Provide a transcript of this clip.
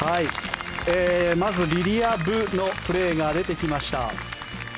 まず、リリア・ブのプレーが出てきました。